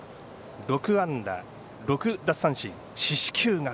６安打、６奪三振、四死球が０。